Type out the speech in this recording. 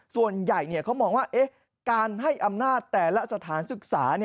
ส่วนใหญ่เขามองว่าการให้อำนาจแต่ละสถานศึกษา